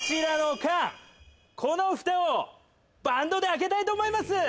こちらの蓋をバンドで開けたいと思います